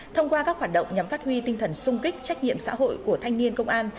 thông qua các hoạt động nhắm phát huy tinh thần sung kích trách nhiệm xã hội của thanh niên công an